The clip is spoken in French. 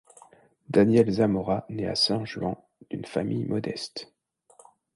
Daniel Zamora naît à San Juan d'une famille modeste.